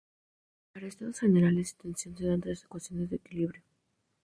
Para estados generales de tensión se dan tres ecuaciones de equilibrio.